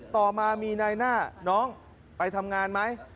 ต่อมามีนายหน้าน้องไปทำงานไหม